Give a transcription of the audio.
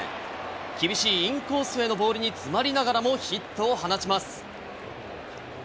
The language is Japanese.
厳しいインコースへのボールに詰まりながらもヒットを放ちます。